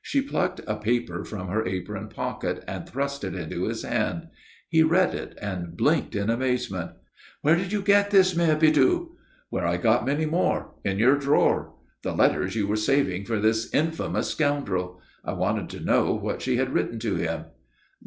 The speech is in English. She plucked a paper from her apron pocket and thrust it into his hand. He read it, and blinked in amazement. "Where did you get this, Mère Bidoux?" "Where I got many more. In your drawer. The letters you were saving for this infamous scoundrel. I wanted to know what she had written to him."